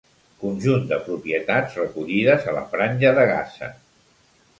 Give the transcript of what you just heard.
Conjunt de propietats recollides a la Franja de Gaza.